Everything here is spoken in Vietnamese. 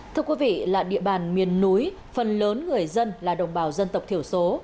thưa quý vị là địa bàn miền núi phần lớn người dân là đồng bào dân tộc thiểu số